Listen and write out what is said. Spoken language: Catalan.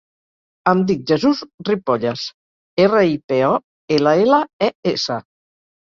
Em dic Jesús Ripolles: erra, i, pe, o, ela, ela, e, essa.